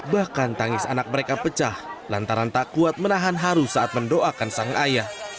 bahkan tangis anak mereka pecah lantaran tak kuat menahan haru saat mendoakan sang ayah